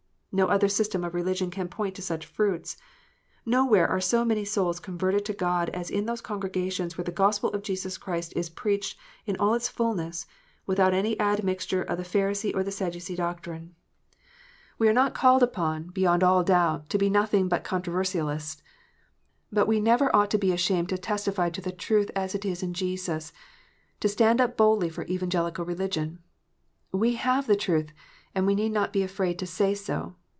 No other system of religion can point to such fruits. Nowhere are so many souls converted to God as in those congregations where the Gospel of Jesus Christ is preached in all its fulness, without any admixture of the Pharisee or Sadducee doctrine. We are 346 KNOTS UNTIED. not called upon, beyond all doubt, to be nothing but con troversialists ; but we never ought to be ashamed to testify to the truth as it is in Jesus, and to stand up boldly for Evangelical religion. We have the trutli, and we need not be afraid to say so.